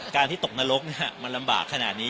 การที่ตกนรกมันลำบากขนาดนี้